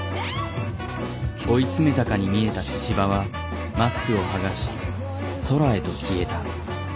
追い詰めたかに見えた神々はマスクを剥がし空へと消えた。